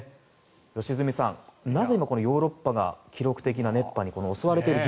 良純さん、なぜ今ヨーロッパが記録的な熱波に襲われている。